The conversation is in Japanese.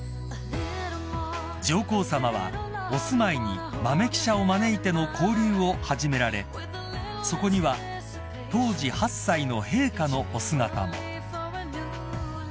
［上皇さまはお住まいに豆記者を招いての交流を始められそこには当時８歳の陛下のお姿も］